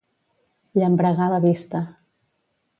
Llambregar la vista.